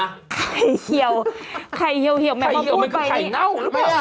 ไข่เหี่ยวไข่เหี่ยวเหี่ยวแม่เค้าพูดไปไข่เหี่ยวไม่คือไข่เน่าหรือเปล่า